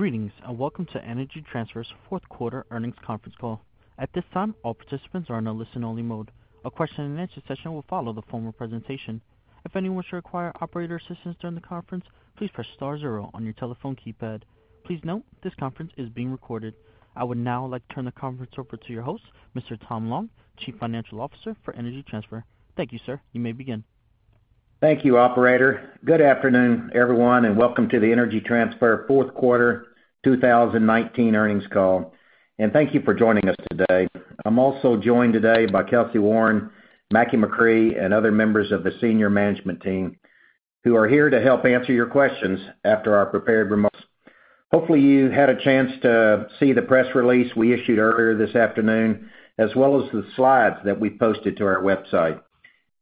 Greetings, welcome to Energy Transfer's fourth quarter earnings conference call. At this time, all participants are in a listen-only mode. A question-and-answer session will follow the formal presentation. If anyone should require operator assistance during the conference, please press star zero on your telephone keypad. Please note this conference is being recorded. I would now like to turn the conference over to your host, Mr. Tom Long, Chief Financial Officer for Energy Transfer. Thank you, sir. You may begin. Thank you, Operator. Good afternoon, everyone, and welcome to the Energy Transfer fourth quarter 2019 earnings call. Thank you for joining us today. I'm also joined today by Kelcy Warren, Mackie McCrea, and other members of the senior management team who are here to help answer your questions after our prepared remarks. Hopefully, you had a chance to see the press release we issued earlier this afternoon, as well as the slides that we posted to our website.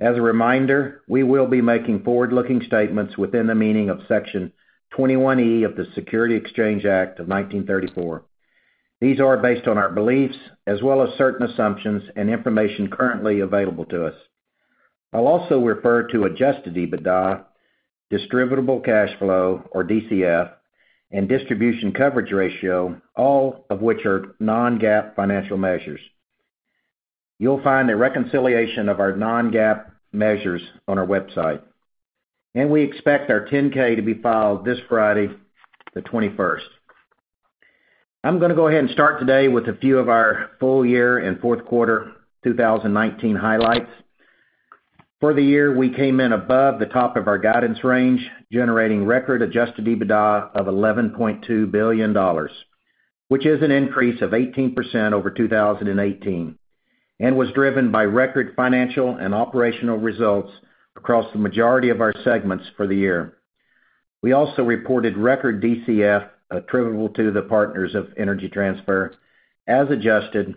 As a reminder, we will be making forward-looking statements within the meaning of Section 21E of the Securities Exchange Act of 1934. These are based on our beliefs as well as certain assumptions and information currently available to us. I'll also refer to adjusted EBITDA, distributable cash flow or DCF, and distribution coverage ratio, all of which are non-GAAP financial measures. You'll find a reconciliation of our non-GAAP measures on our website. We expect our 10-K to be filed this Friday, the 21st. I'm going to go ahead and start today with a few of our full year and fourth quarter 2019 highlights. For the year, we came in above the top of our guidance range, generating record-adjusted EBITDA of $11.2 billion, which is an increase of 18% over 2018, and was driven by record financial and operational results across the majority of our segments for the year. We also reported record DCF attributable to the partners of Energy Transfer as adjusted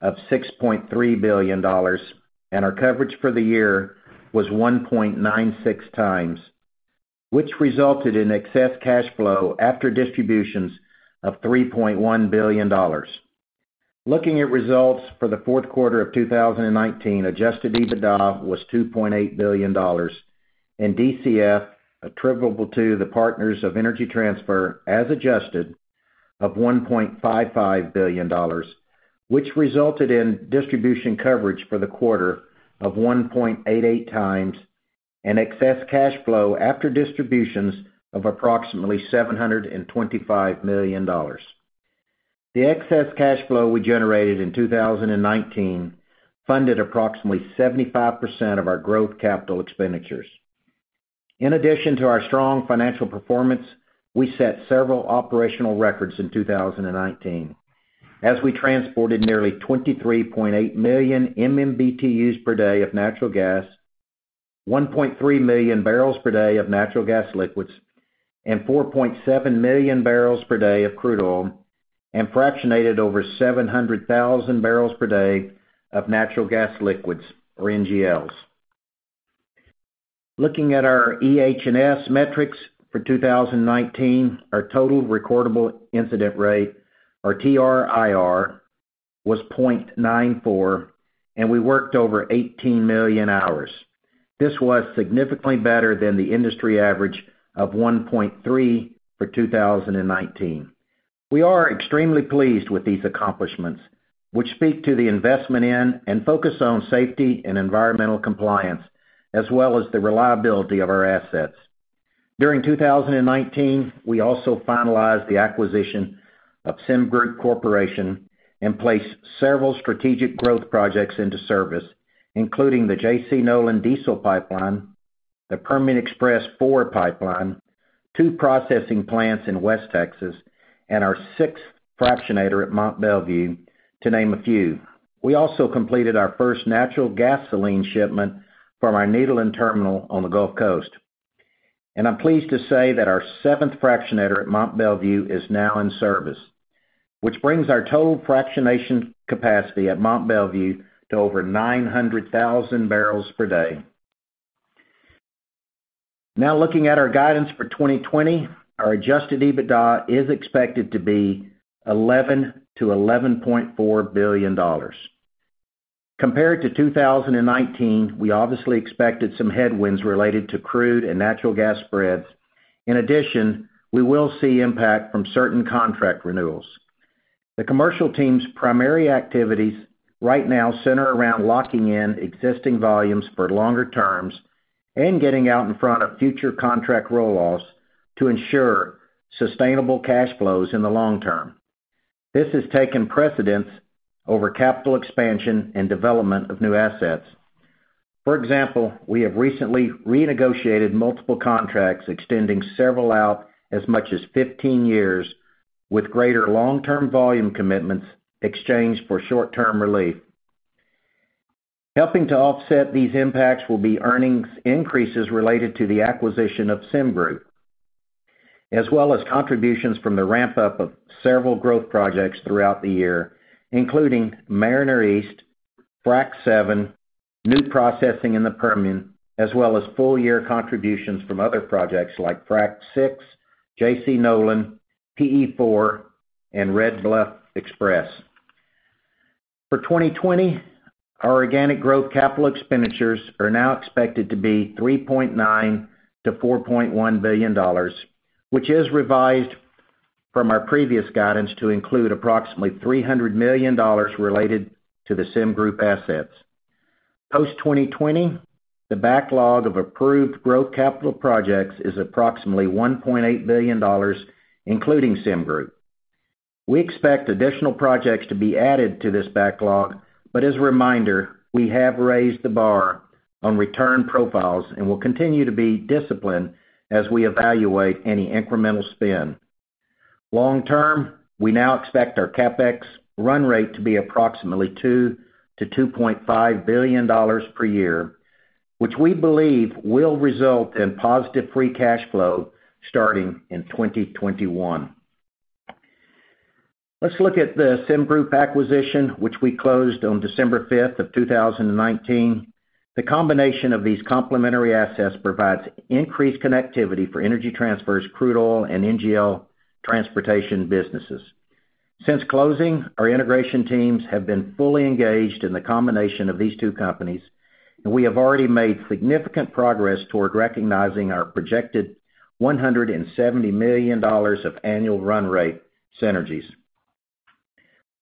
of $6.3 billion, and our coverage for the year was 1.96x, which resulted in excess cash flow after distributions of $3.1 billion. Looking at results for the fourth quarter of 2019, adjusted EBITDA was $2.8 billion and DCF attributable to the partners of Energy Transfer as adjusted of $1.55 billion, which resulted in distribution coverage for the quarter of 1.88x and excess cash flow after distributions of approximately $725 million. The excess cash flow we generated in 2019 funded approximately 75% of our growth capital expenditures. In addition to our strong financial performance, we set several operational records in 2019 as we transported nearly 23.8 million MMBtus per day of natural gas, 1.3 million barrels per day of natural gas liquids, and 4.7 million barrels per day of crude oil, and fractionated over 700,000 bpd of natural gas liquids or NGLs. Looking at our EH&S metrics for 2019, our total recordable incident rate, or TRIR, was 0.94, and we worked over 18 million hours. This was significantly better than the industry average of 1.3 for 2019. We are extremely pleased with these accomplishments, which speak to the investment in and focus on safety and environmental compliance, as well as the reliability of our assets. During 2019, we also finalized the acquisition of SemGroup Corporation and placed several strategic growth projects into service, including the J.C. Nolan Diesel Pipeline, the Permian Express 4 Pipeline, two processing plants in West Texas, and our sixth fractionator at Mont Belvieu, to name a few. We also completed our first natural gasoline shipment from our Nederland Terminal on the Gulf Coast. I'm pleased to say that our seventh fractionator at Mont Belvieu is now in service, which brings our total fractionation capacity at Mont Belvieu to over 900,000 bpd. Now, looking at our guidance for 2020, our adjusted EBITDA is expected to be $11 billion-$11.4 billion. Compared to 2019, we obviously expected some headwinds related to crude and natural gas spreads. In addition, we will see impact from certain contract renewals. The commercial team's primary activities right now center around locking in existing volumes for longer terms and getting out in front of future contract roll-offs to ensure sustainable cash flows in the long term. This has taken precedence over capital expansion and development of new assets. For example, we have recently renegotiated multiple contracts extending several out as much as 15 years with greater long-term volume commitments exchanged for short-term relief. Helping to offset these impacts will be earnings increases related to the acquisition of SemGroup, as well as contributions from the ramp-up of several growth projects throughout the year, including Mariner East, Frac VII, new processing in the Permian, as well as full-year contributions from other projects like Frac VI, J.C. Nolan, PE4, and Red Bluff Express. For 2020, our organic growth capital expenditures are now expected to be $3.9 billion-$4.1 billion, which is revised from our previous guidance to include approximately $300 million related to the SemGroup assets. Post-2020, the backlog of approved growth capital projects is approximately $1.8 billion, including SemGroup. We expect additional projects to be added to this backlog, but as a reminder, we have raised the bar on return profiles and will continue to be disciplined as we evaluate any incremental spend. Long term, we now expect our CapEx run rate to be approximately $2 billion-$2.5 billion per year, which we believe will result in positive free cash flow starting in 2021. Let's look at the SemGroup acquisition, which we closed on December 5th of 2019. The combination of these complementary assets provides increased connectivity for Energy Transfer's crude oil and NGL transportation businesses. Since closing, our integration teams have been fully engaged in the combination of these two companies, and we have already made significant progress toward recognizing our projected $170 million of annual run rate synergies.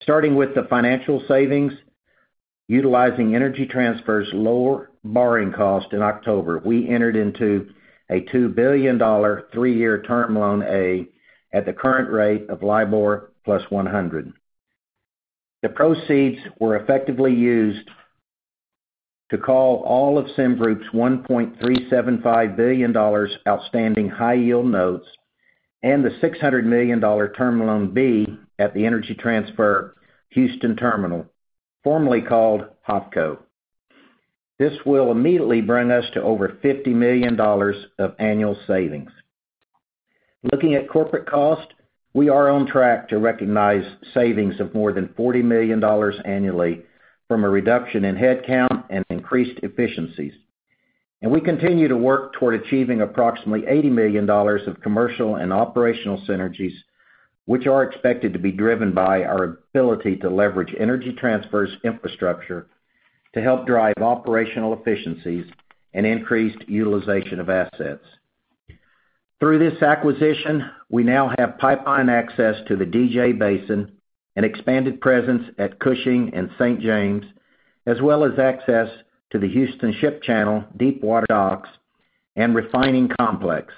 Starting with the financial savings, utilizing Energy Transfer's lower borrowing cost in October, we entered into a $2 billion, three-year term loan A at the current rate of LIBOR plus 100. The proceeds were effectively used to call all of SemGroup's $1.375 billion outstanding high-yield notes and the $600 million term loan B at the Energy Transfer Houston Terminal, formerly called HFOTCO. This will immediately bring us to over $50 million of annual savings. Looking at corporate cost, we are on track to recognize savings of more than $40 million annually from a reduction in head count and increased efficiencies. We continue to work toward achieving approximately $80 million of commercial and operational synergies, which are expected to be driven by our ability to leverage Energy Transfer's infrastructure to help drive operational efficiencies and increased utilization of assets. Through this acquisition, we now have pipeline access to the DJ Basin, an expanded presence at Cushing and St. James, as well as access to the Houston Ship Channel deep water docks and refining complex,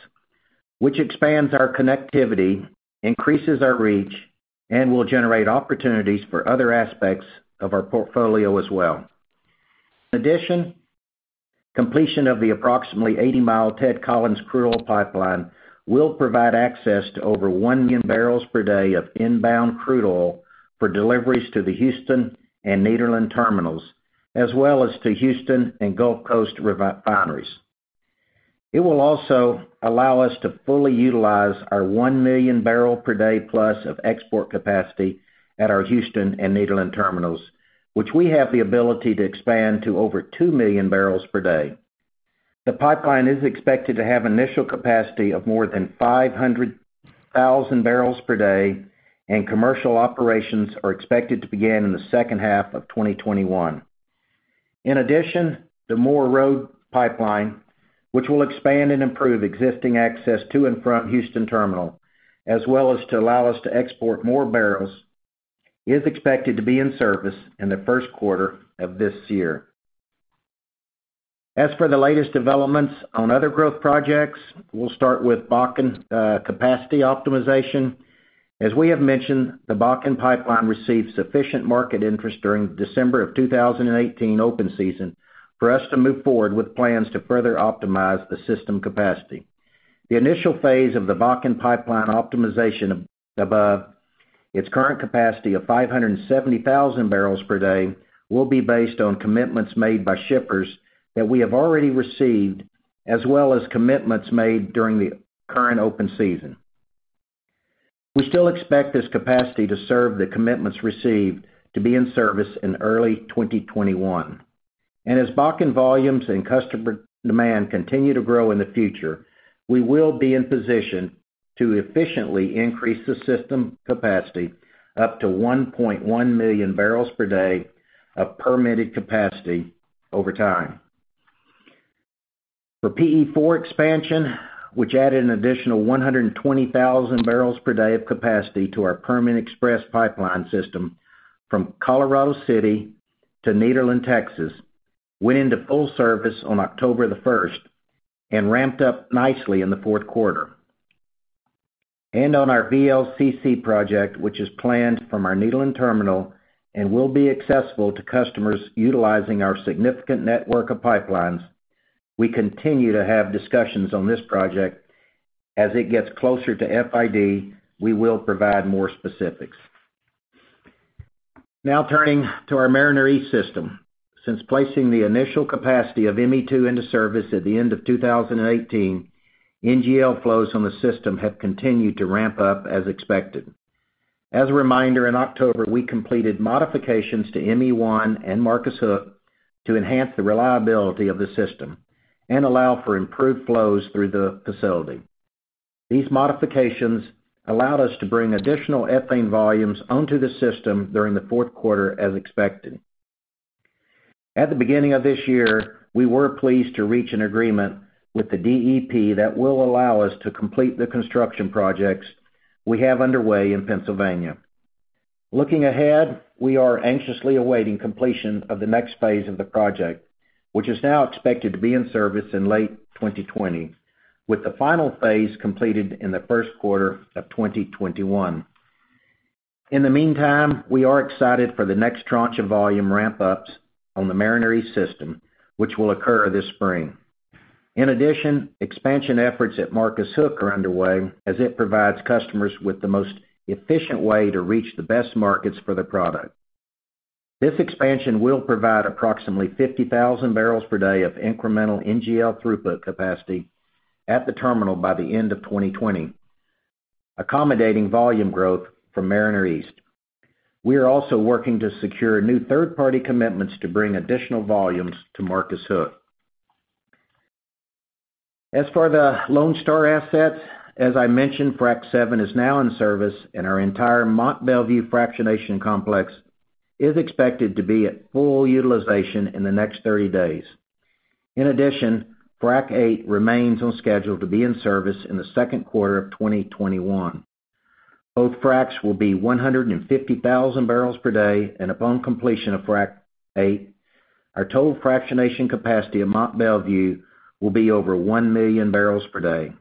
which expands our connectivity, increases our reach, and will generate opportunities for other aspects of our portfolio as well. In addition, completion of the approximately 80 mi Ted Collins Crude Oil Pipeline will provide access to over 1 million barrels per day of inbound crude oil for deliveries to the Houston and Nederland terminals, as well as to Houston and Gulf Coast refineries. It will also allow us to fully utilize our 1+ million barrel per day of export capacity at our Houston and Nederland terminals, which we have the ability to expand to over 2 million barrels per day. The pipeline is expected to have initial capacity of more than 500,000 bpd, and commercial operations are expected to begin in the second half of 2021. In addition, the Moore Road Pipeline, which will expand and improve existing access to and from Houston Terminal, as well as to allow us to export more barrels, is expected to be in service in the first quarter of this year. As for the latest developments on other growth projects, we will start with Bakken capacity optimization. As we have mentioned, the Bakken Pipeline received sufficient market interest during December of 2018 open season for us to move forward with plans to further optimize the system capacity. The initial phase of the Bakken Pipeline optimization above its current capacity of 570,000 bpd will be based on commitments made by shippers that we have already received, as well as commitments made during the current open season. We still expect this capacity to serve the commitments received to be in service in early 2021. As Bakken volumes and customer demand continue to grow in the future, we will be in position to efficiently increase the system capacity up to 1.1 million barrels per day of permitted capacity over time. For PE4 expansion, which added an additional 120,000 bpd of capacity to our Permian Express pipeline system from Colorado City to Nederland, Texas, went into full service on October the 1st and ramped up nicely in the fourth quarter. On our VLCC project, which is planned from our Nederland Terminal and will be accessible to customers utilizing our significant network of pipelines, we continue to have discussions on this project. As it gets closer to FID, we will provide more specifics. Now, turning to our Mariner East system. Since placing the initial capacity of ME2 into service at the end of 2018, NGL flows from the system have continued to ramp up as expected. As a reminder, in October, we completed modifications to ME1 and Marcus Hook to enhance the reliability of the system and allow for improved flows through the facility. These modifications allowed us to bring additional ethane volumes onto the system during the fourth quarter as expected. At the beginning of this year, we were pleased to reach an agreement with the DEP that will allow us to complete the construction projects we have underway in Pennsylvania. Looking ahead, we are anxiously awaiting completion of the next phase of the project, which is now expected to be in service in late 2020, with the final phase completed in the first quarter of 2021. In the meantime, we are excited for the next tranche of volume ramp-ups on the Mariner East system, which will occur this spring. In addition, expansion efforts at Marcus Hook are underway as it provides customers with the most efficient way to reach the best markets for their product. This expansion will provide approximately 50,000 bpd of incremental NGL throughput capacity at the terminal by the end of 2020, accommodating volume growth from Mariner East. We are also working to secure new third-party commitments to bring additional volumes to Marcus Hook. As for the Lone Star assets, as I mentioned, Frac VII is now in service, and our entire Mont Belvieu fractionation complex is expected to be at full utilization in the next 30 days. In addition, Frac VIII remains on schedule to be in service in the second quarter of 2021. Both fracs will be 150,000 bpd, and upon completion of Frac VIII, our total fractionation capacity at Mont Belvieu will be over 1 million barrels per day.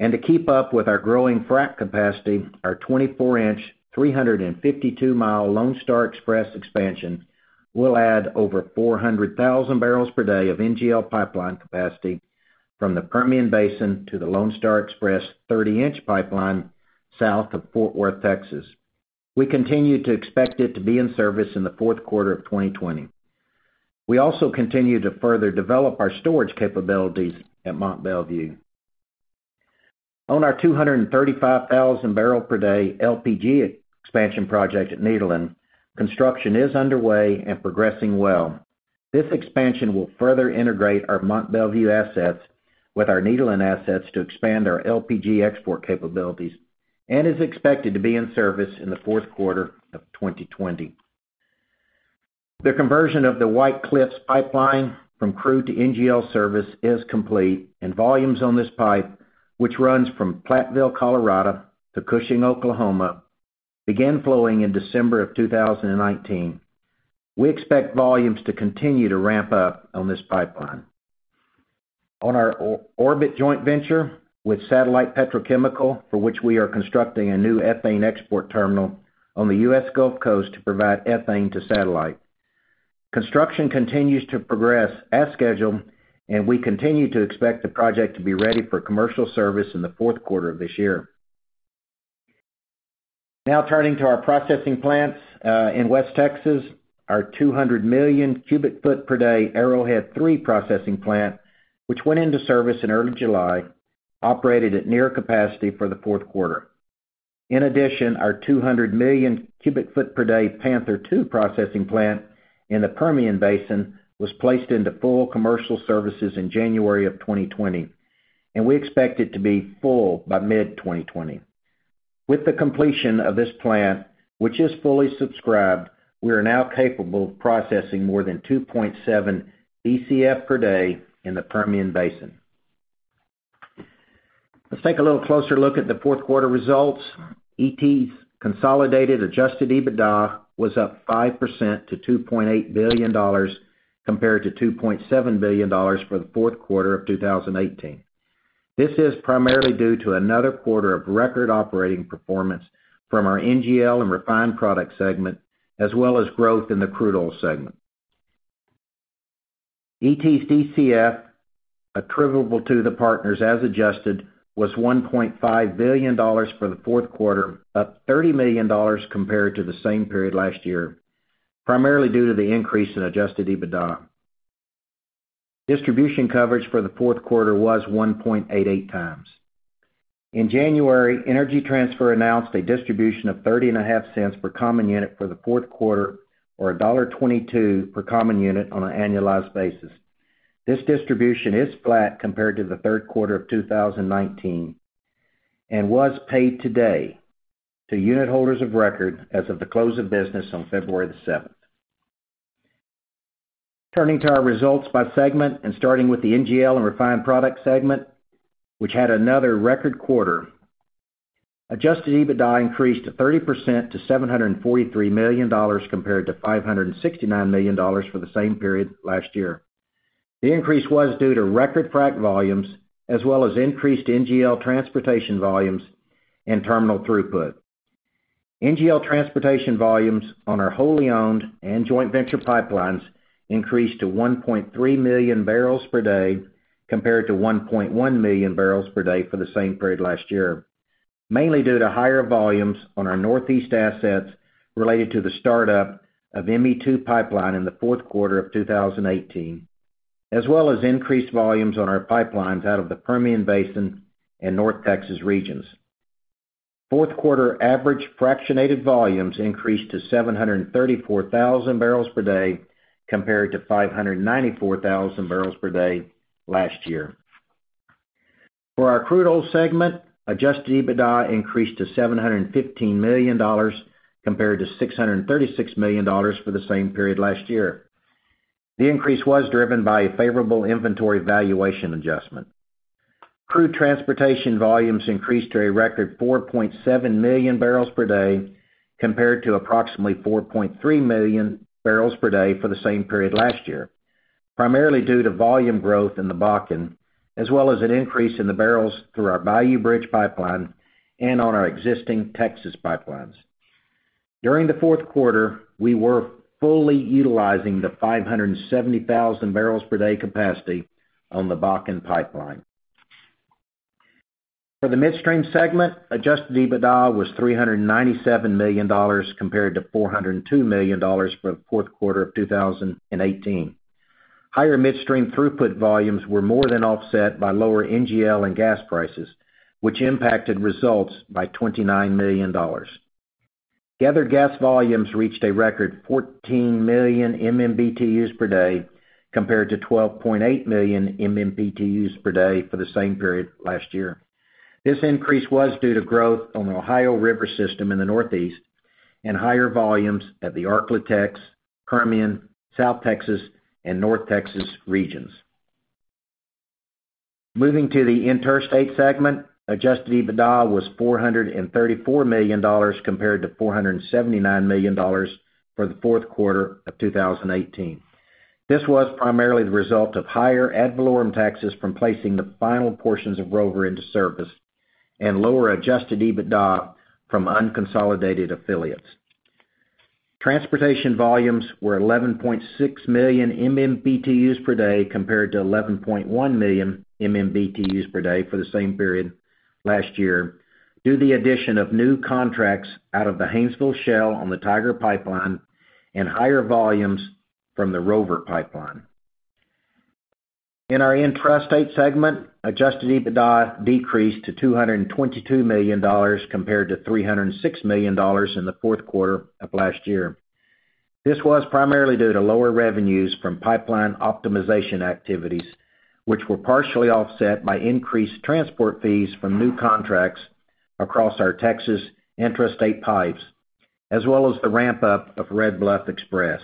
To keep up with our growing frac capacity, our 24 in, 352 mi Lone Star Express expansion will add over 400,000 bpd of NGL pipeline capacity from the Permian Basin to the Lone Star Express 30 in pipeline south of Fort Worth, Texas. We continue to expect it to be in service in the fourth quarter of 2020. We also continue to further develop our storage capabilities at Mont Belvieu. On our 235,000 bpd LPG expansion project at Nederland, construction is underway and progressing well. This expansion will further integrate our Mont Belvieu assets with our Nederland assets to expand our LPG export capabilities and is expected to be in service in the fourth quarter of 2020. The conversion of the White Cliffs Pipeline from crude to NGL service is complete, and volumes on this pipe, which runs from Platteville, Colorado, to Cushing, Oklahoma, began flowing in December of 2019. We expect volumes to continue to ramp up on this pipeline. On our Orbit joint venture with Satellite Petrochemical, for which we are constructing a new ethane export terminal on the U.S. Gulf Coast to provide ethane to Satellite. Construction continues to progress as scheduled. We continue to expect the project to be ready for commercial service in the fourth quarter of this year. Turning to our processing plants in West Texas. Our 200 million cubic foot per day Arrowhead III processing plant, which went into service in early July, operated at near capacity for the fourth quarter. In addition, Our 200 million cubic foot per day Panther II processing plant in the Permian Basin was placed into full commercial services in January of 2020, and we expect it to be full by mid-2020. With the completion of this plant, which is fully subscribed, we are now capable of processing more than 2.7 Bcf per day in the Permian Basin. Let's take a little closer look at the fourth quarter results. ET's consolidated adjusted EBITDA was up 5% to $2.8 billion compared to $2.7 billion for the fourth quarter of 2018. This is primarily due to another quarter of record operating performance from our NGL and Refined Product segment, as well as growth in the Crude Oil segment. ET DCF attributable to the partners as adjusted was $1.5 billion for the fourth quarter, up $30 million compared to the same period last year, primarily due to the increase in adjusted EBITDA. Distribution coverage for the fourth quarter was 1.88x. In January, Energy Transfer announced a distribution of $0.305/common unit for the fourth quarter, or $1.22/common unit on an annualized basis. This distribution is flat compared to the third quarter of 2019 and was paid today to unit holders of record as of the close of business on February the 7th. Turning to our results by segment and starting with the NGL and Refined Product segment, which had another record quarter. Adjusted EBITDA increased to 30% to $743 million, compared to $569 million for the same period last year. The increase was due to record frac volumes, as well as increased NGL transportation volumes and terminal throughput. NGL transportation volumes on our wholly owned and joint venture pipelines increased to 1.3 million barrels per day compared to 1.1 million barrels per day for the same period last year, mainly due to higher volumes on our Northeast assets related to the startup of ME2 pipeline in the fourth quarter of 2018, as well as increased volumes on our pipelines out of the Permian Basin and North Texas regions. Fourth quarter average fractionated volumes increased to 734,000 bpd, compared to 594,000 bpd last year. For our crude oil segment, adjusted EBITDA increased to $715 million compared to $636 million for the same period last year. The increase was driven by a favorable inventory valuation adjustment. Crude transportation volumes increased to a record 4.7 million barrels per day compared to approximately 4.3 million barrels per day for the same period last year, primarily due to volume growth in the Bakken, as well as an increase in the barrels through our Bayou Bridge Pipeline and on our existing Texas pipelines. During the fourth quarter, we were fully utilizing the 570,000 bpd capacity on the Bakken Pipeline. For the midstream segment, adjusted EBITDA was $397 million compared to $402 million for the fourth quarter of 2018. Higher midstream throughput volumes were more than offset by lower NGL and gas prices, which impacted results by $29 million. Gathered gas volumes reached a record 14 million MMBtus per day, compared to 12.8 million MMBtus per day for the same period last year. This increase was due to growth on the Ohio River System in the Northeast and higher volumes at the ArkLaTex, Permian, South Texas, and North Texas regions. Moving to the interstate segment, adjusted EBITDA was $434 million compared to $479 million for the fourth quarter of 2018. This was primarily the result of higher ad valorem taxes from placing the final portions of Rover into service and lower adjusted EBITDA from unconsolidated affiliates. Transportation volumes were 11.6 million MMBtus per day compared to 11.1 million MMBtus per day for the same period last year, due to the addition of new contracts out of the Haynesville Shale on the Tiger Pipeline and higher volumes from the Rover Pipeline. In our intrastate segment, adjusted EBITDA decreased to $222 million compared to $306 million in the fourth quarter of last year. This was primarily due to lower revenues from pipeline optimization activities, which were partially offset by increased transport fees from new contracts across our Texas intrastate pipes, as well as the ramp-up of Red Bluff Express.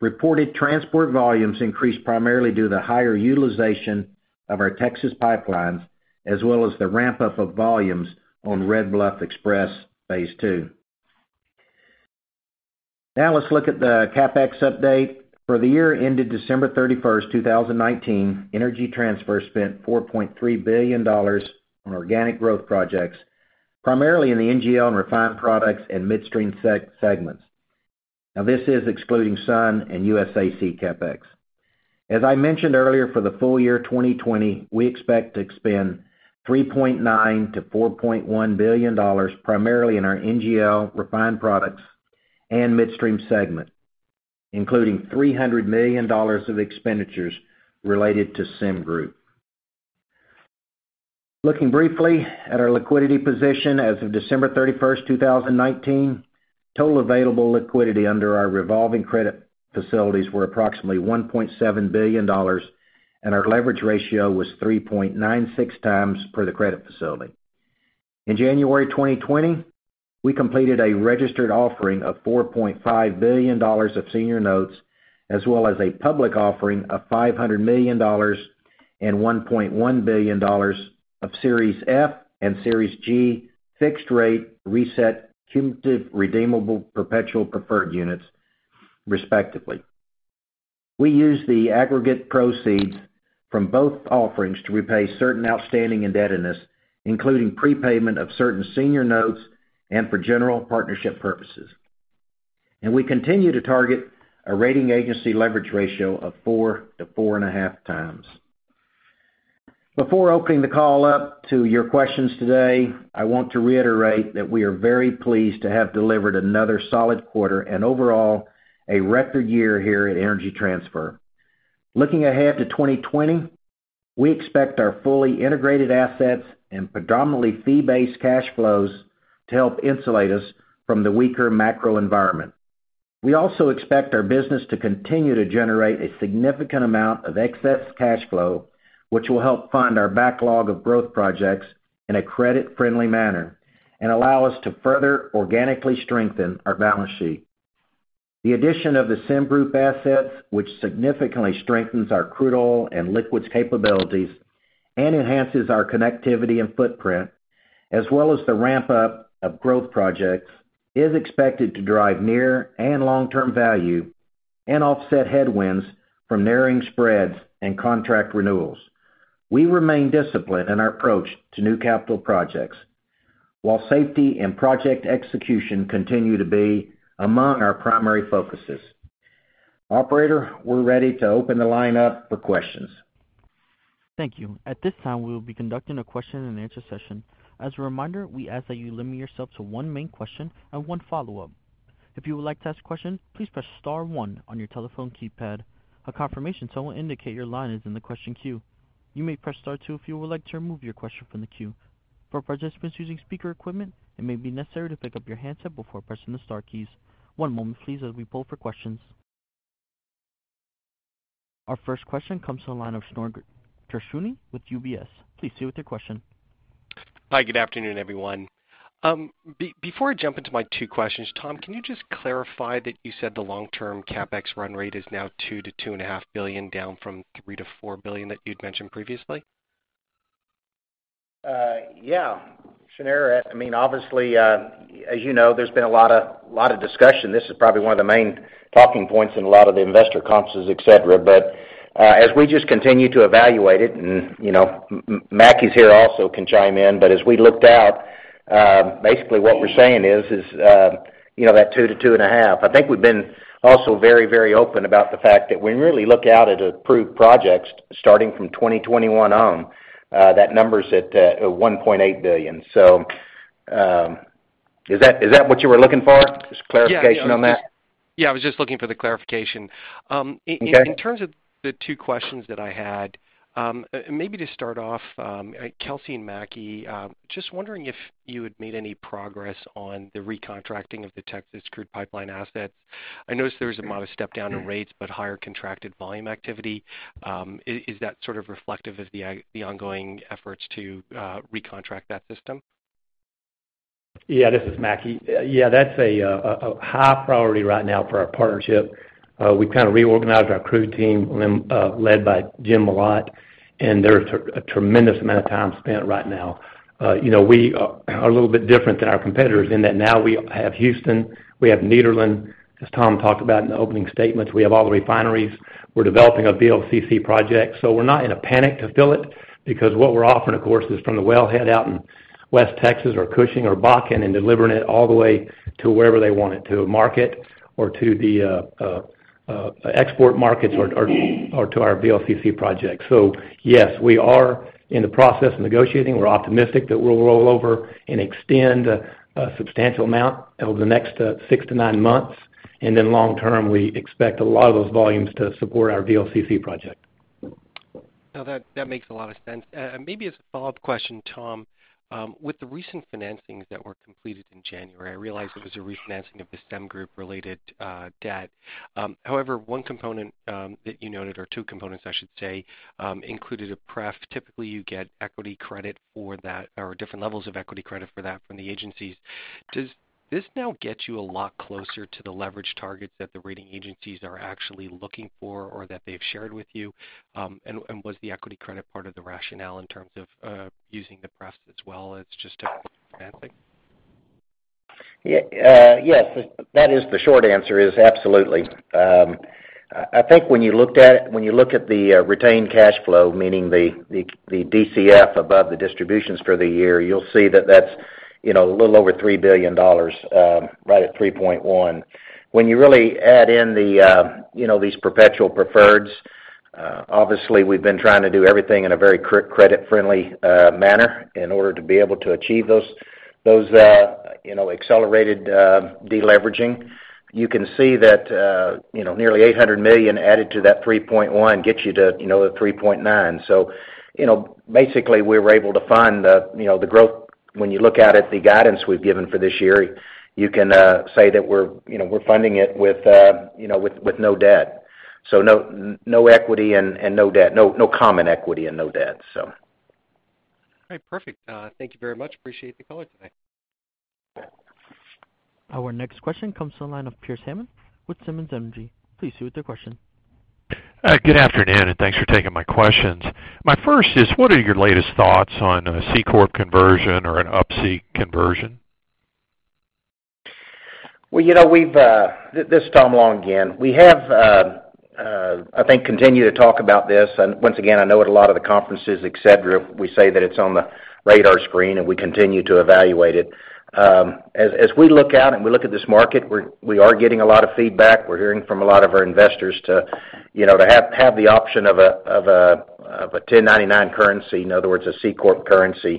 Reported transport volumes increased primarily due to the higher utilization of our Texas pipelines, as well as the ramp-up of volumes on Red Bluff Express Phase 2. Let's look at the CapEx update. For the year ended December 31st, 2019, Energy Transfer spent $4.3 billion on organic growth projects, primarily in the NGL and refined products and midstream segments. This is excluding SUN and USAC CapEx. As I mentioned earlier, for the full year 2020, we expect to spend $3.9 billion-$4.1 billion, primarily in our NGL, refined products, and midstream segment, including $300 million of expenditures related to SemGroup. Looking briefly at our liquidity position as of December 31st, 2019, total available liquidity under our revolving credit facilities were approximately $1.7 billion, and our leverage ratio was 3.96x per the credit facility. In January 2020, we completed a registered offering of $4.5 billion of senior notes, as well as a public offering of $500 million and $1.1 billion of Series F and Series G fixed-rate reset cumulative redeemable perpetual preferred units, respectively. We used the aggregate proceeds from both offerings to repay certain outstanding indebtedness, including prepayment of certain senior notes and for general partnership purposes. We continue to target a rating agency leverage ratio of 4x-4.5x. Before opening the call up to your questions today, I want to reiterate that we are very pleased to have delivered another solid quarter and overall, a record year here at Energy Transfer. Looking ahead to 2020, we expect our fully integrated assets and predominantly fee-based cash flows to help insulate us from the weaker macro environment. We also expect our business to continue to generate a significant amount of excess cash flow, which will help fund our backlog of growth projects in a credit-friendly manner and allow us to further organically strengthen our balance sheet. The addition of the SemGroup assets, which significantly strengthens our crude oil and liquids capabilities and enhances our connectivity and footprint, as well as the ramp-up of growth projects, is expected to drive near and long-term value and offset headwinds from narrowing spreads and contract renewals. We remain disciplined in our approach to new capital projects, while safety and project execution continue to be among our primary focuses. Operator, we're ready to open the line up for questions. Thank you. At this time, we will be conducting a question and answer session. As a reminder, we ask that you limit yourself to one main question and one follow-up. If you would like to ask a question, please press star one on your telephone keypad. A confirmation tone will indicate your line is in the question queue. You may press star two if you would like to remove your question from the queue. For participants using speaker equipment, it may be necessary to pick up your handset before pressing the star keys. One moment please, as we poll for questions. Our first question comes to the line of Shneur Gershuni with UBS. Please state your question. Hi, good afternoon, everyone. Before I jump into my two questions, Tom, can you just clarify that you said the long-term CapEx run rate is now $2 billion-$2.5 billion, down from $3 billion-$4 billion that you'd mentioned previously? Yeah. Shneur, obviously, as you know, there's been a lot of discussion. This is probably one of the main talking points in a lot of the investor conferences, et cetera. As we just continue to evaluate it, and Mackie's here also can chime in. As we looked out, basically what we're saying is that $2 billion-$2.5 billion. I think we've been also very open about the fact that when you really look out at approved projects starting from 2021 on, that number's at $1.8 billion. Is that what you were looking for? Just clarification on that. Yeah, I was just looking for the clarification. Okay. In terms of the two questions that I had, maybe to start off, Kelcy and Mackie, just wondering if you had made any progress on the recontracting of the Texas crude pipeline assets. I noticed there was a modest step down in rates, but higher contracted volume activity. Is that sort of reflective of the ongoing efforts to recontract that system? This is Mackie. That's a high priority right now for our partnership. We kind of reorganized our crude team, led by Jim Malott, and there's a tremendous amount of time spent right now. We are a little bit different than our competitors in that now we have Houston, we have Nederland. As Tom talked about in the opening statements, we have all the refineries. We're developing a VLCC project, so we're not in a panic to fill it, because what we're offering, of course, is from the wellhead out in West Texas or Cushing or Bakken and delivering it all the way to wherever they want it, to a market or to the export markets or to our VLCC project. Yes, we are in the process of negotiating. We're optimistic that we'll roll over and extend a substantial amount over the next six to nine months, and then long term, we expect a lot of those volumes to support our VLCC project. No, that makes a lot of sense. Maybe as a follow-up question, Tom, with the recent financings that were completed in January, I realize it was a refinancing of the SemGroup related debt. One component that you noted, or two components I should say, included a pref. Typically you get equity credit for that or different levels of equity credit for that from the agencies. Does this now get you a lot closer to the leverage targets that the rating agencies are actually looking for or that they've shared with you? Was the equity credit part of the rationale in terms of using the pref as well as just a financing? Yes. That is the short answer is absolutely. I think when you look at the retained cash flow, meaning the DCF above the distributions for the year, you'll see that that's a little over $3 billion, right at $3.1 billion. When you really add in these perpetual preferreds, obviously we've been trying to do everything in a very credit friendly manner in order to be able to achieve those accelerated de-leveraging. You can see that nearly $800 million added to that $3.1 billion gets you to $3.9 billion. Basically, we were able to fund the growth. When you look out at the guidance we've given for this year, you can say that we're funding it with no debt. No common equity and no debt. All right, perfect. Thank you very much. Appreciate the call today. Our next question comes to the line of Pearce Hammond with Simmons Energy. Please state your question. Good afternoon. Thanks for taking my questions. My first is, what are your latest thoughts on a C-corp conversion or an up-C conversion? This is Tom Long again. We have, I think, continued to talk about this, and once again, I know at a lot of the conferences, et cetera, we say that it's on the radar screen, and we continue to evaluate it. As we look out and we look at this market, we are getting a lot of feedback. We're hearing from a lot of our investors to have the option of a 1099 currency. In other words, a C-corp currency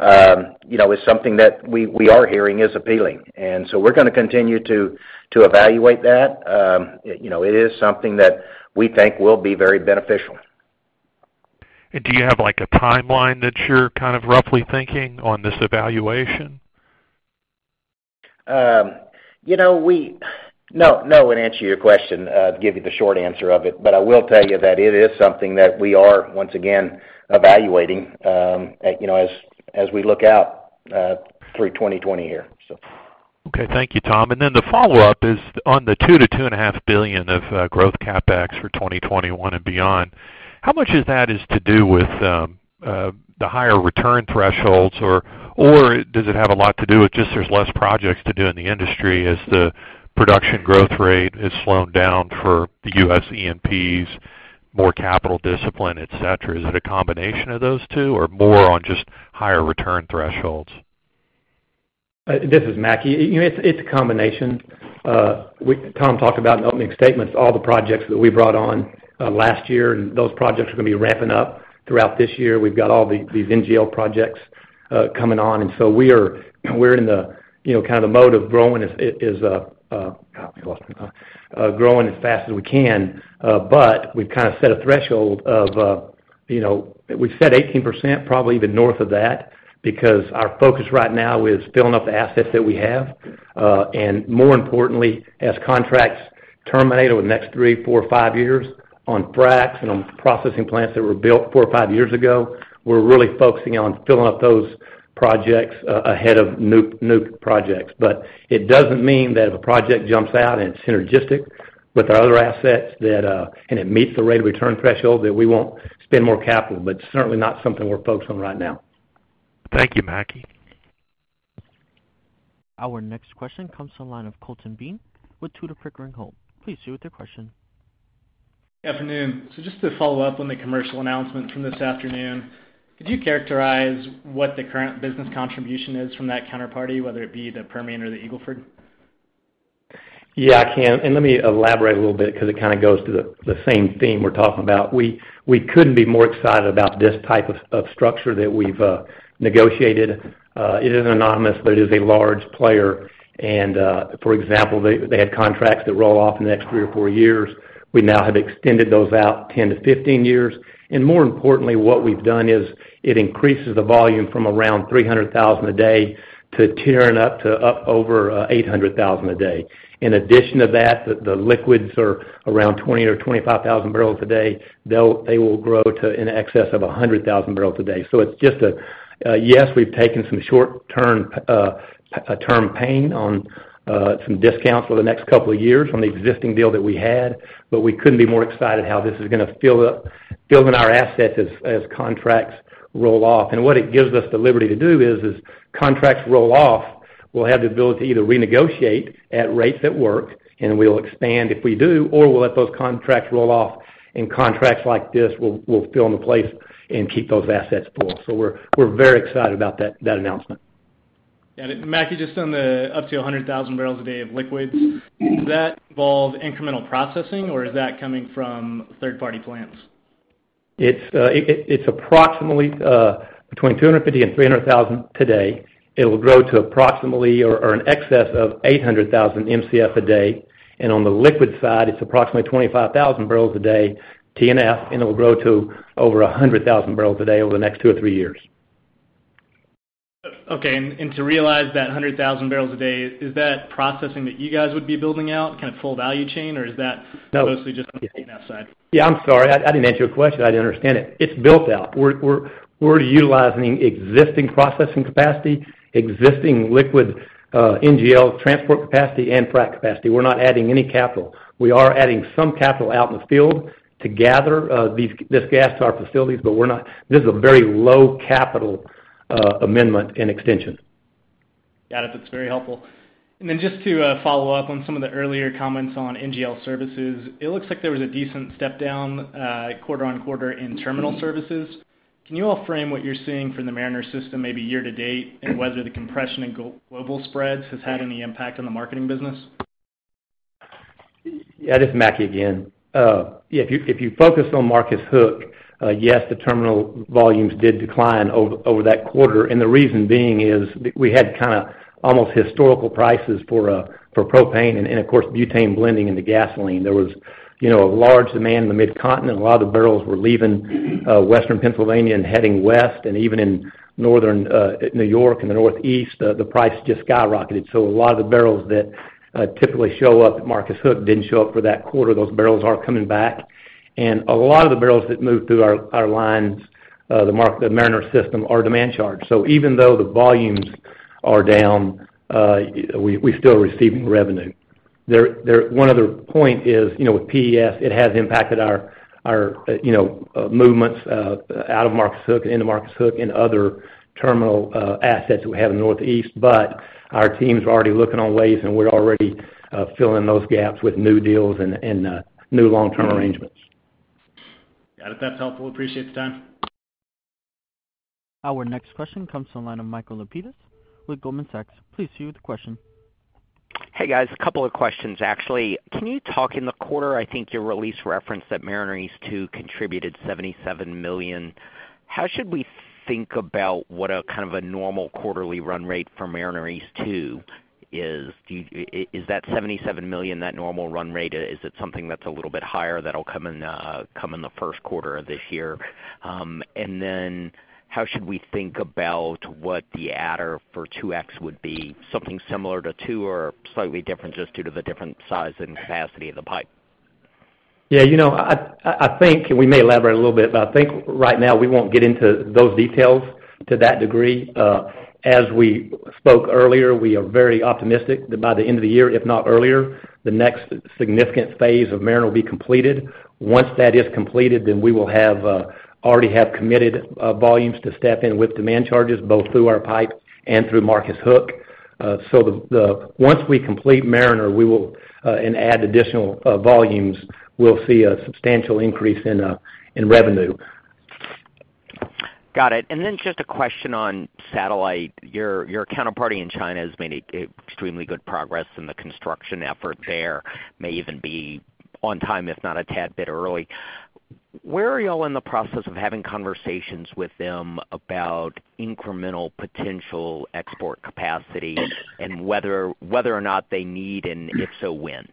is something that we are hearing is appealing. We're going to continue to evaluate that. It is something that we think will be very beneficial. Do you have a timeline that you're kind of roughly thinking on this evaluation? No, in answer to your question, to give you the short answer of it, but I will tell you that it is something that we are, once again, evaluating as we look out through 2020 here. Okay. Thank you, Tom. The follow-up is on the $2 billion-$2.5 billion of growth CapEx for 2021 and beyond. How much of that is to do with the higher return thresholds, or does it have a lot to do with just there's less projects to do in the industry as the production growth rate has slowed down for the U.S. E&Ps, more capital discipline, et cetera? Is it a combination of those two or more on just higher return thresholds? This is Mackie. It's a combination. Tom talked about in opening statements all the projects that we brought on last year. Those projects are going to be ramping up throughout this year. We've got all these NGL projects coming on. We're in the mode of growing as fast as we can. We've set a threshold of 18%, probably even north of that, because our focus right now is filling up the assets that we have. More importantly, as contracts terminate over the next three, four, five years on fracs and on processing plants that were built four or five years ago, we're really focusing on filling up those projects ahead of new projects. It doesn't mean that if a project jumps out and it's synergistic with our other assets, and it meets the rate of return threshold, that we won't spend more capital. It's certainly not something we're focused on right now. Thank you, Mackie. Our next question comes to the line of Colton Bean with Tudor, Pickering, Holt. Please state your question. Good afternoon. Just to follow up on the commercial announcement from this afternoon, could you characterize what the current business contribution is from that counterparty, whether it be the Permian or the Eagle Ford? Yeah, I can. Let me elaborate a little bit because it kind of goes to the same theme we're talking about. We couldn't be more excited about this type of structure that we've negotiated. It is anonymous, but it is a large player. For example, they had contracts that roll off in the next three or four years. We now have extended those out 10 years-15 years. More importantly, what we've done is it increases the volume from around 300,000 a day to tiering up to up over 800,000 a day. In addition to that, the liquids are around 20,000 or 25,000 barrels a day. They will grow to in excess of 100,000 barrels a day. Yes, we've taken some short-term pain on some discounts for the next couple of years from the existing deal that we had, but we couldn't be more excited how this is going to fill in our assets as contracts roll off. What it gives us the liberty to do is, as contracts roll off, we'll have the ability to either renegotiate at rates that work, and we will expand if we do, or we'll let those contracts roll off, and contracts like this will fill in the place and keep those assets full. We're very excited about that announcement. Got it. Mackie, just on the up to 100,000 barrels a day of liquids, does that involve incremental processing, or is that coming from third-party plants? It's approximately between 250,000 and 300,000 today. It'll grow to approximately or in excess of 800,000 Mcf a day. On the liquid side, it's approximately 25,000 barrels a day T&F, and it'll grow to over 100,000 barrels a day over the next two or three years. Okay. To realize that 100,000 barrels a day, is that processing that you guys would be building out kind of full value chain, or is that- No. -mostly just on the T&F side? Yeah, I'm sorry. I didn't answer your question. I didn't understand it. It's built out. We're utilizing existing processing capacity, existing liquid NGL transport capacity, and frac capacity. We're not adding any capital. We are adding some capital out in the field to gather this gas to our facilities, but this is a very low capital amendment and extension. Got it. That's very helpful. Just to follow up on some of the earlier comments on NGL services, it looks like there was a decent step down quarter-on-quarter in terminal services. Can you all frame what you're seeing from the Mariner system maybe year-to-date, and whether the compression in global spreads has had any impact on the marketing business? Yeah, this is Mackie again. If you focus on Marcus Hook, yes, the terminal volumes did decline over that quarter. The reason being is we had kind of almost historical prices for propane and of course butane blending into gasoline. There was a large demand in the Mid-continent. A lot of the barrels were leaving Western Pennsylvania and heading West. Even in northern New York and the Northeast, the price just skyrocketed. A lot of the barrels that typically show up at Marcus Hook didn't show up for that quarter. Those barrels are coming back. A lot of the barrels that move through our lines, the Mariner system, are demand charged. Even though the volumes are down, we're still receiving revenue. One other point is, with PES, it has impacted our movements out of Marcus Hook and into Marcus Hook and other terminal assets that we have in the Northeast. Our teams are already looking at ways, and we're already filling those gaps with new deals and new long-term arrangements. Got it. That's helpful. Appreciate the time. Our next question comes to the line of Michael Lapides with Goldman Sachs. Please state your question. Hey, guys. A couple of questions, actually. Can you talk, in the quarter, I think your release referenced that Mariner East 2 contributed $77 million. How should we think about what a kind of a normal quarterly run rate for Mariner East 2 is? Is that $77 million that normal run rate? Is it something that's a little bit higher that'll come in the first quarter of this year? How should we think about what the adder for 2X would be? Something similar to 2 or slightly different just due to the different size and capacity of the pipe? Yeah. I think, we may elaborate a little bit, I think right now we won't get into those details to that degree. As we spoke earlier, we are very optimistic that by the end of the year, if not earlier, the next significant phase of Mariner will be completed. Once that is completed, we will already have committed volumes to step in with demand charges, both through our pipe and through Marcus Hook. Once we complete Mariner and add additional volumes, we'll see a substantial increase in revenue. Got it. Just a question on Satellite. Your counterparty in China has made extremely good progress in the construction effort there, may even be on time, if not a tad bit early. Where are you all in the process of having conversations with them about incremental potential export capacity and whether or not they need, and if so, when?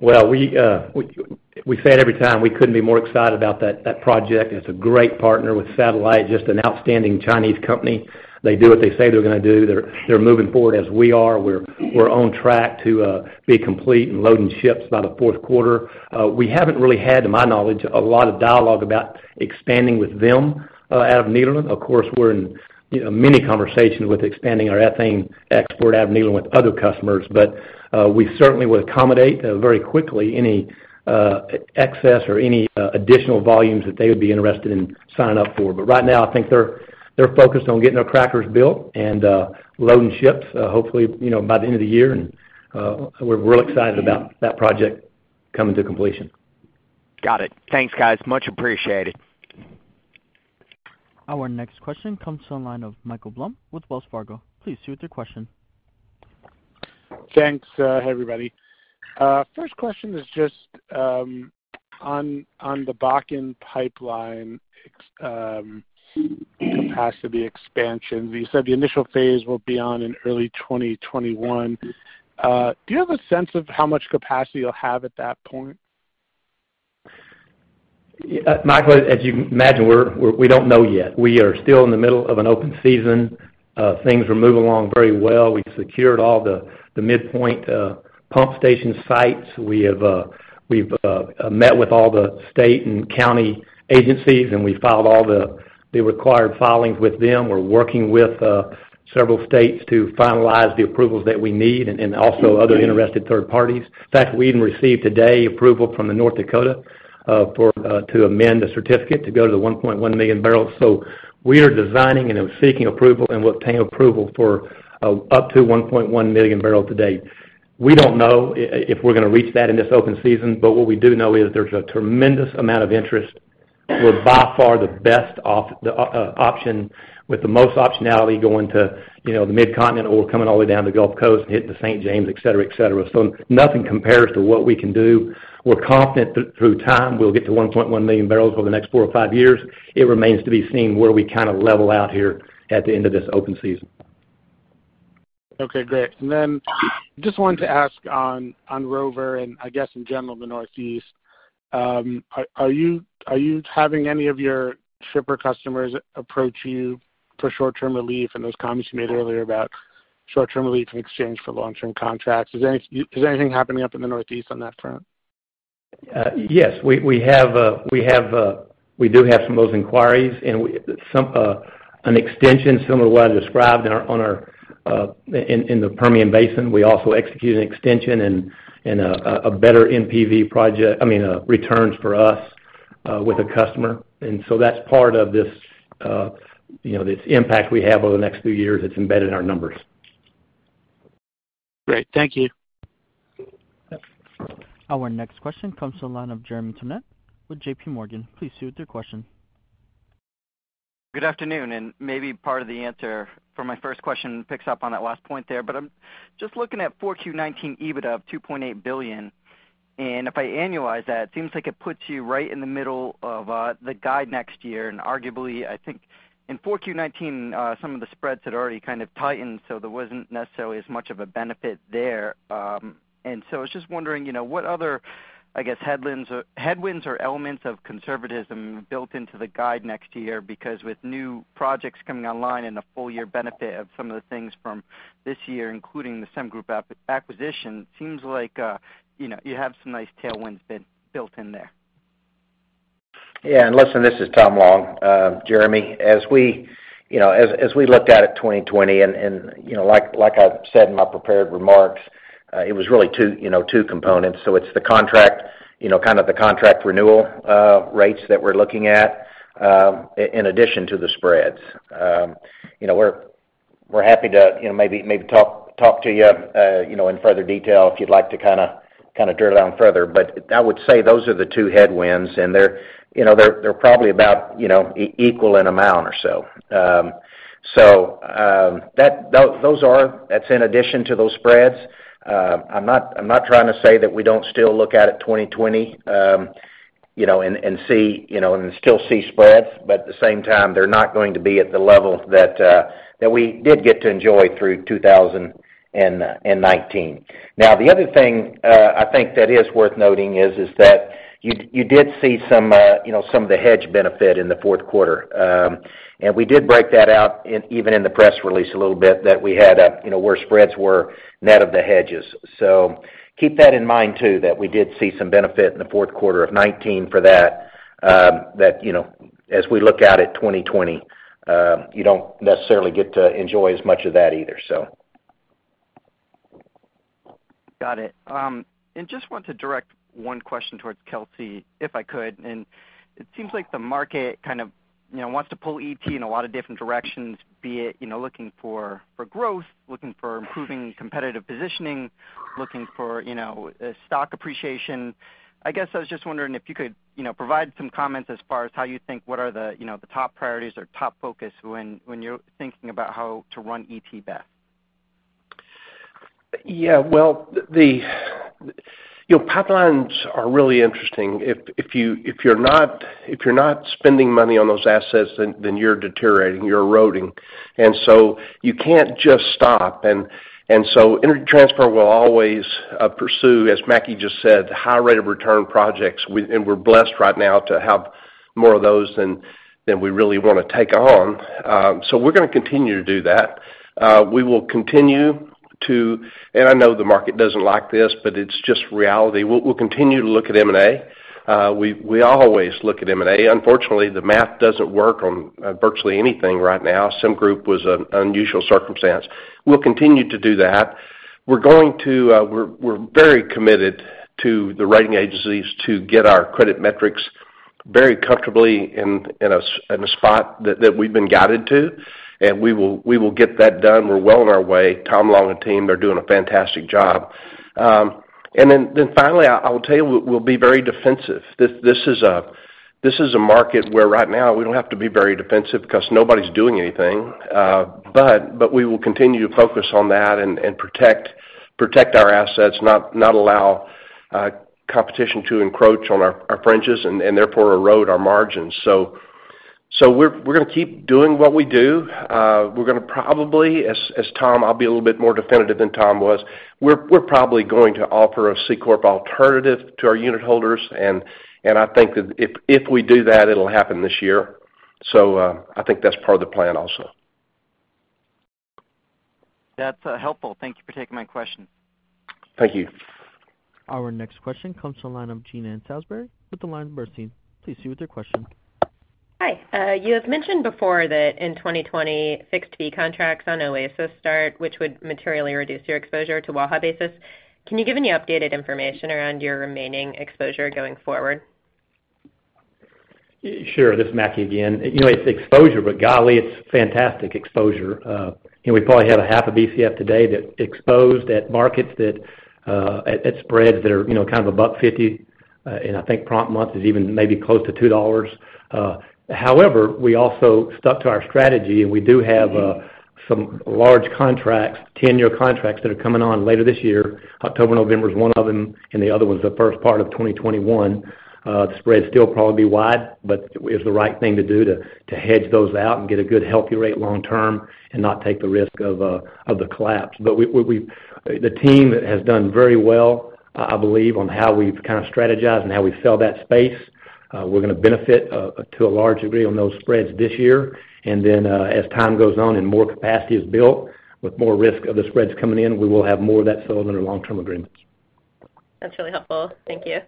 Well, we say it every time, we couldn't be more excited about that project. It's a great partner with Satellite, just an outstanding Chinese company. They do what they say they're going to do. They're moving forward as we are. We're on track to be complete and loading ships by the fourth quarter. We haven't really had, to my knowledge, a lot of dialogue about expanding with them out of Nederland. Of course, we're in many conversations with expanding our ethane export out of Nederland with other customers. We certainly would accommodate very quickly any excess or any additional volumes that they would be interested in signing up for. Right now, I think they're focused on getting their crackers built and loading ships, hopefully, by the end of the year. We're real excited about that project coming to completion. Got it. Thanks, guys. Much appreciated. Our next question comes to the line of Michael Blum with Wells Fargo. Please state your question. Thanks. Hey, everybody. First question is just on the Bakken Pipeline capacity expansion. You said the initial phase will be on in early 2021. Do you have a sense of how much capacity you'll have at that point? Michael, as you can imagine, we don't know yet. We are still in the middle of an open season. Things are moving along very well. We've secured all the midpoint pump station sites. We've met with all the state and county agencies, and we filed all the required filings with them. We're working with several states to finalize the approvals that we need and also other interested third parties. In fact, we even received today approval from the North Dakota to amend the certificate to go to the 1.1 million barrels. We are designing and are seeking approval and will obtain approval for up to 1.1 million barrels to date. We don't know if we're going to reach that in this open season, but what we do know is there's a tremendous amount of interest. We're by far the best option with the most optionality going to the Midcontinent Oil coming all the way down the Gulf Coast and hitting the St. James, et cetera, et cetera. Nothing compares to what we can do. We're confident that through time, we'll get to 1.1 million barrels over the next four or five years. It remains to be seen where we kind of level out here at the end of this open season. Okay, great. Just wanted to ask on Rover, and I guess in general, the Northeast. Are you having any of your shipper customers approach you for short-term relief and those comments you made earlier about short-term relief in exchange for long-term contracts? Is anything happening up in the Northeast on that front? Yes. We do have some of those inquiries and an extension similar to what I described in the Permian Basin. We also execute an extension and a better NPV returns for us with a customer. That's part of this impact we have over the next few years that's embedded in our numbers. Great. Thank you. Our next question comes to the line of Jeremy Tonet with JPMorgan. Please state your question. Good afternoon. Maybe part of the answer for my first question picks up on that last point there. I'm just looking at 4Q 2019 EBITDA of $2.8 billion, and if I annualize that, it seems like it puts you right in the middle of the guide next year. Arguably, I think in 4Q 2019, some of the spreads had already kind of tightened, so there wasn't necessarily as much of a benefit there. I was just wondering, what other, I guess, headwinds or elements of conservatism built into the guide next year? Because with new projects coming online and the full year benefit of some of the things from this year, including the SemGroup acquisition, it seems like you have some nice tailwinds built in there. Yeah. Listen, this is Tom Long. Jeremy, as we looked out at 2020, like I said in my prepared remarks, it was really two components. It's the contract renewal rates that we're looking at in addition to the spreads. We're happy to maybe talk to you in further detail if you'd like to kind of drill down further. I would say those are the two headwinds, and they're probably about equal in amount or so. That's in addition to those spreads. I'm not trying to say that we don't still look out at 2020 and still see spreads. At the same time, they're not going to be at the level that we did get to enjoy through 2019. The other thing I think that is worth noting is that you did see some of the hedge benefit in the fourth quarter. We did break that out even in the press release a little bit that we had where spreads were net of the hedges. Keep that in mind, too, that we did see some benefit in the fourth quarter of 2019 for that. As we look out at 2020, you don't necessarily get to enjoy as much of that either. Got it. Just want to direct one question towards Kelcy, if I could. It seems like the market kind of wants to pull ET in a lot of different directions, be it looking for growth, looking for improving competitive positioning, looking for stock appreciation. I guess I was just wondering if you could provide some comments as far as how you think what are the top priorities or top focus when you're thinking about how to run ET best? Well, pipelines are really interesting. If you're not spending money on those assets, then you're deteriorating, you're eroding. You can't just stop. Energy Transfer will always pursue, as Mackie just said, high rate of return projects. We're blessed right now to have more of those than we really want to take on. We're going to continue to do that. We will continue. I know the market doesn't like this, but it's just reality. We'll continue to look at M&A. We always look at M&A. Unfortunately, the math doesn't work on virtually anything right now. SemGroup was an unusual circumstance. We'll continue to do that. We're very committed to the rating agencies to get our credit metrics very comfortably in a spot that we've been guided to. We will get that done. We're well on our way. Tom Long and team, they're doing a fantastic job. Finally, I will tell you, we'll be very defensive. This is a market where right now we don't have to be very defensive because nobody's doing anything. We will continue to focus on that and protect our assets, not allow competition to encroach on our fringes, and therefore erode our margins. We're going to keep doing what we do. We're going to probably, I'll be a little bit more definitive than Tom was. We're probably going to offer a C-corp alternative to our unit holders, I think that if we do that, it'll happen this year. I think that's part of the plan also. That's helpful. Thank you for taking my question. Thank you. Our next question comes from the line of Jean Ann Salisbury with AllianceBernstein. Please state your question. Hi. You have mentioned before that in 2020 fixed fee contracts on Oasis start, which would materially reduce your exposure to Waha basis. Can you give any updated information around your remaining exposure going forward? Sure. This is Mackie again. It's exposure, golly, it's fantastic exposure. We probably have a half a BCF today that exposed at markets at spreads that are kind of $1.50. I think prompt month is even maybe close to $2. However, we also stuck to our strategy, and we do have some large contracts, 10-year contracts that are coming on later this year. October, November is one of them, and the other one's the first part of 2021. The spreads still probably wide, it's the right thing to do to hedge those out and get a good healthy rate long term and not take the risk of the collapse. The team has done very well, I believe, on how we've kind of strategized and how we sell that space. We're going to benefit to a large degree on those spreads this year. As time goes on and more capacity is built with more risk of the spreads coming in, we will have more of that sold under long-term agreements. That's really helpful. Thank you.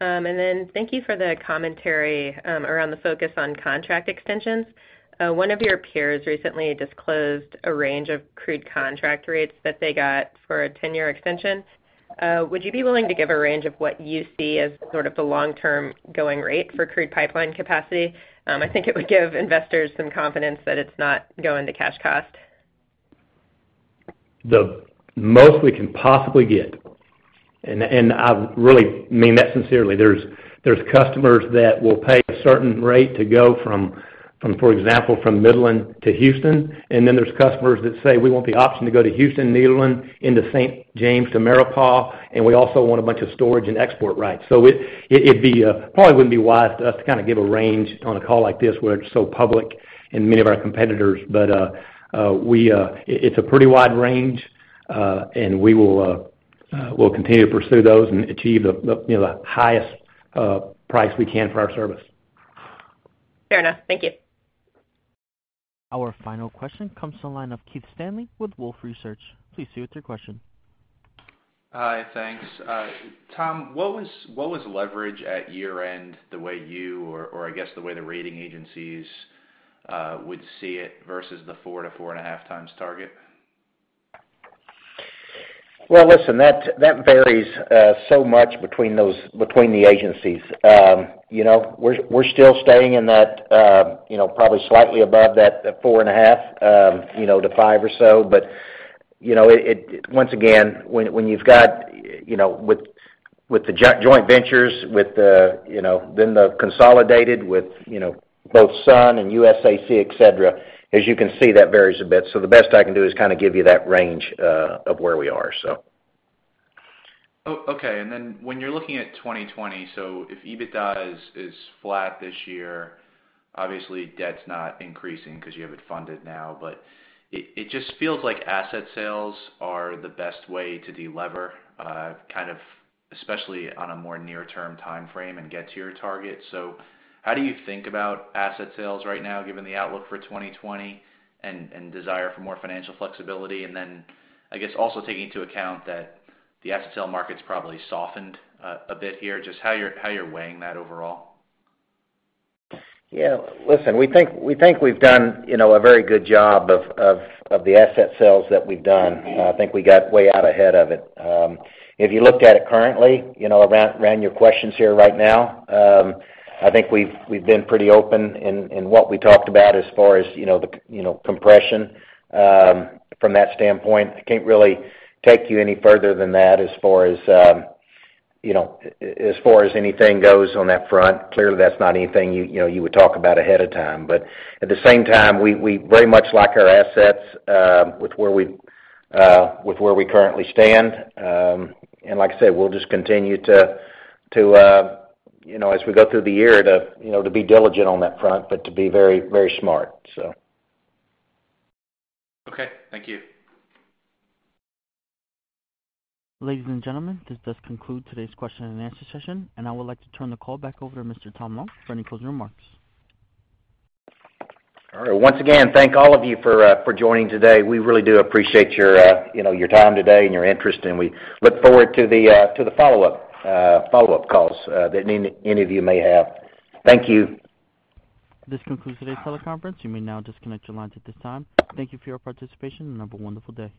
Thank you for the commentary around the focus on contract extensions. One of your peers recently disclosed a range of crude contract rates that they got for a 10-year extension. Would you be willing to give a range of what you see as sort of the long-term going rate for crude pipeline capacity? I think it would give investors some confidence that it's not going to cash cost. The most we can possibly get, and I really mean that sincerely. There's customers that will pay a certain rate to go from, for example, from Midland to Houston, and then there's customers that say, "We want the option to go to Houston, Midland into St. James to Maurepas, and we also want a bunch of storage and export rights." It probably wouldn't be wise to us to kind of give a range on a call like this where it's so public and many of our competitors. It's a pretty wide range, and we'll continue to pursue those and achieve the highest price we can for our service. Fair enough. Thank you. Our final question comes from the line of Keith Stanley with Wolfe Research. Please state your question. Hi. Thanks. Tom, what was leverage at year-end the way you or I guess the way the rating agencies would see it versus the 4x-4.5x target? Well, listen, that varies so much between the agencies. We're still staying in that probably slightly above that 4.5x, you know the 5x or so. Once again, with the joint ventures, then the consolidated with both SUN and USAC, et cetera, as you can see, that varies a bit. The best I can do is kind of give you that range of where we are. Okay. When you're looking at 2020, if EBITDA is flat this year, obviously debt's not increasing because you have it funded now, but it just feels like asset sales are the best way to delever, kind of, especially on a more near-term timeframe and get to your target. How do you think about asset sales right now given the outlook for 2020 and desire for more financial flexibility? I guess also taking into account that the asset sale market's probably softened a bit here, just how you're weighing that overall. Listen, we think we've done a very good job of the asset sales that we've done. I think we got way out ahead of it. If you looked at it currently around your questions here right now, I think we've been pretty open in what we talked about as far as the compression from that standpoint. I can't really take you any further than that as far as anything goes on that front. Clearly, that's not anything you would talk about ahead of time. At the same time, we very much like our assets with where we currently stand. Like I said, we'll just continue to as we go through the year to be diligent on that front, but to be very smart. Okay. Thank you. Ladies and gentlemen, this does conclude today's question and answer session, and I would like to turn the call back over to Mr. Tom Long for any closing remarks. All right. Once again, thank all of you for joining today. We really do appreciate your time today and your interest. We look forward to the follow-up calls that any of you may have. Thank you. This concludes today's teleconference. You may now disconnect your lines at this time. Thank you for your participation, and have a wonderful day.